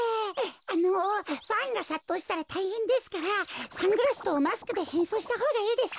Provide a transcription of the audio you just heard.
あのファンがさっとうしたらたいへんですからサングラスとマスクでへんそうしたほうがいいですよ。